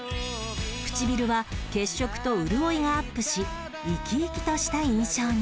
唇は血色と潤いがアップし生き生きとした印象に